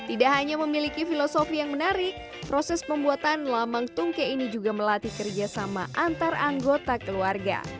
tidak hanya memiliki filosofi yang menarik proses pembuatan lamang tungke ini juga melatih kerjasama antar anggota keluarga